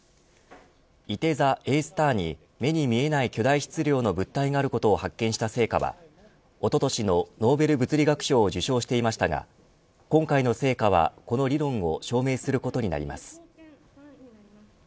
いて座Ａスターは目に見えない巨大質量の物体があることを発見した成果はおととしのノーベル物理学賞を受賞していましたが今回の成果はこの理論を証明することになります。